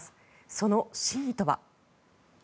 その真意とは。